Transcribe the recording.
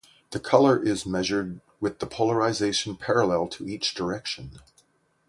The colour is measured with the polarization parallel to each direction.